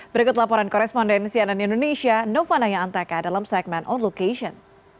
berikut laporan korespondensi anan indonesia novanaya anteka dalam segmen on location